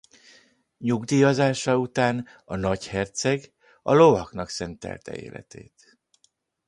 Nyugdíjazása után a nagyherceg a lovaknak szentelte életét.